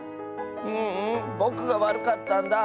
ううんぼくがわるかったんだ。